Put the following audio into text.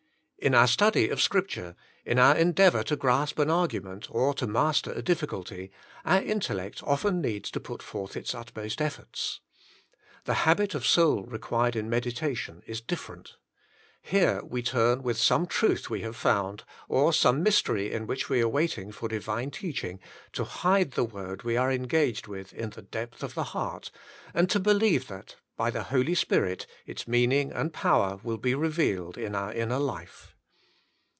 In our study of Scripture, in our en deavour to grasp an argument, or to master a difficulty, our intellect often needs to put forth its utmost efforts. The habit of soul required in meditation is different. Here we turn with some truth we have found, or some mystery in which we are waiting for divine teaching, to hide the word we are engaged with in the depth of the heart, and to believe that, by the Holy Spirit, its meaning and power will be revealed in our inner life.